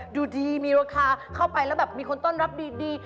อยู่ดีมีราคาเข้าไปแล้วแบบมีคนต้อนรับดี